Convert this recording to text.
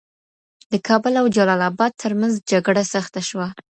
د کابل او جلال آباد ترمنځ جګړه سخته شوه.